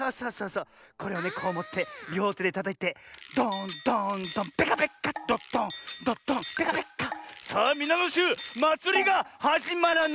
これをねこうもってりょうてでたたいて「ドーンドーンドーンペカペッカ」「ドドンドドンペカペッカ」さあみなのしゅうまつりがはじまらないでござるよ。